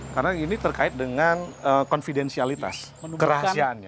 karena ini terkait dengan konfidensialitas kerahasiaannya